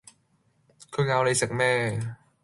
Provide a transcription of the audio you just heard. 佢咬你食咩